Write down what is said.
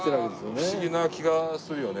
それは不思議な気がするよね。